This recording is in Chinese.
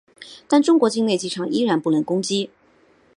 但中国境内机场依然不能攻击。